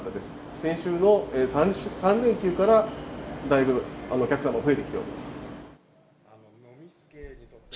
先週の３連休からだいぶお客様増えてきております。